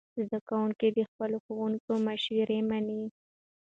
زده کوونکي د خپلو ښوونکو مشورې مني.